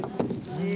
うん。